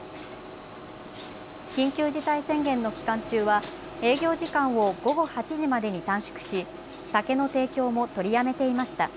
緊急事態宣言の期間中は営業時間を午後８時までに短縮し、酒の提供も取りやめていました。